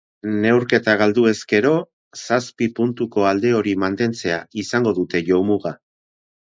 Neurketa galduz gero zazpi puntuko alde hori mantentzea izango dute jomuga.